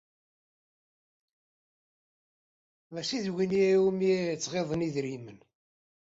Mačči d win iwumi ttɣiḍen idrimen.